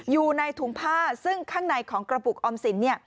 อยู่ในถุงผ้าซึ่งข้างในของกระปุกออมสิน